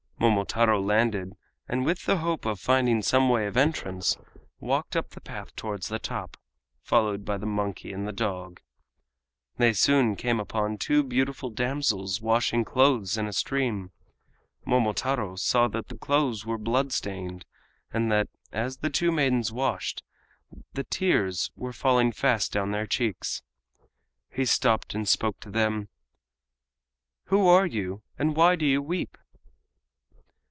Momotaro landed, and with the hope of finding some way of entrance, walked up the path towards the top, followed by the monkey and the dog. They soon came upon two beautiful damsels washing clothes in a stream. Momotaro saw that the clothes were blood stained, and that as the two maidens washed, the tears were falling fast down their cheeks. He stopped and spoke to them: "Who are you, and why do you weep?"